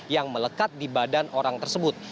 yang melekat dibadan orang tersebut